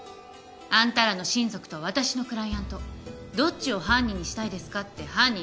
あんたらの親族と私のクライアントどっちを犯人にしたいですかって犯人選考会を脅せばいい。